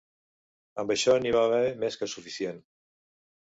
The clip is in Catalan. Amb això n'hi va haver més que suficient.